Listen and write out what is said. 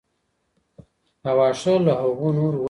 دا واښه له هغو نورو وچ دي.